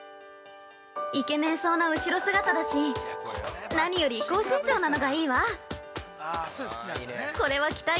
イケメンそうな後ろ姿だし、何より高身長なのがいいわ。